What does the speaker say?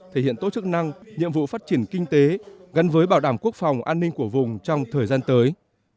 thể hiện tốt chức năng nhiệm vụ phát triển kinh tế gắn với bảo đảm quốc phòng an ninh của vùng trong thời gian tới